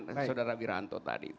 keterangan saudara wiranto tadi